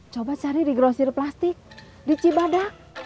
coba cari di grosir plastik di cibada